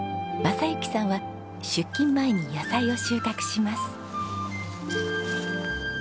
正行さんは出勤前に野菜を収穫します。